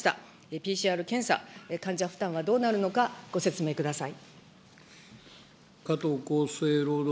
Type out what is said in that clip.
ＰＣＲ検査、患者負担はどうなるのか、ご説明ください。